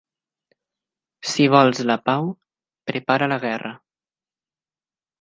Si vols la pau, prepara la guerra.